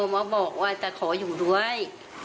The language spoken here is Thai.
มาบอกว่าจะขออยู่ด้วย